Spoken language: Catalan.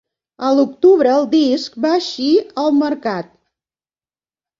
A l'octubre, el disc va eixir al mercat.